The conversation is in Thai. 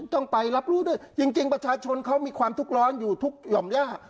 ต้องไปรับรู้ด้วยจริงประชาชนเขามีความทุกข์ร้อนอยู่ทุกหย่อมย่า